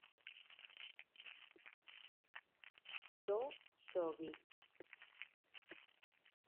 Yo Yogui!